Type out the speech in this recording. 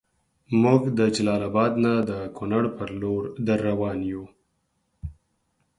مونږ د جلال اباد نه د کونړ پر لور دروان یو